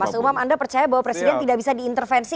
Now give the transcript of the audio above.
mas umam anda percaya bahwa presiden tidak bisa diintervensi